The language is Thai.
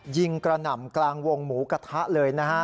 ยิงกระหน่ำกลางวงหมูกระทะเลยนะฮะ